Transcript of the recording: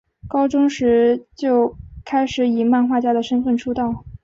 高中时就开始以漫画家的身份出道。